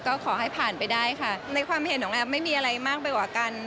ก็ขอให้ผ่านไปได้ค่ะในความเห็นของแอฟไม่มีอะไรมากไปกว่ากัน